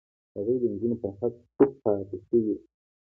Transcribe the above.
هغوی د نجونو پر حق چوپ پاتې شول.